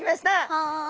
はい。